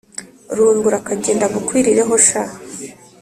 Rungu urakagenda bukwirireho sha